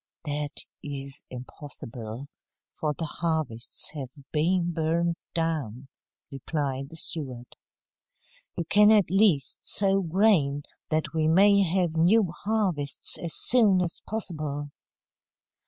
"That is impossible, for the harvests have been burned down," replied the steward. "You can at least sow grain, that we may have new harvests as soon as possible."